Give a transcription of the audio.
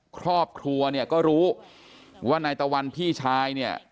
ครอบครัวเนี่ยก็รู้ว่านายตะวันพี่ชายเนี่ย